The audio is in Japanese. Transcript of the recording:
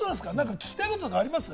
聞きたいこととかあります？